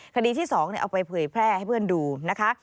คดีที่๒เอาไปเผยแพร่ให้เพื่อนดูนะคะ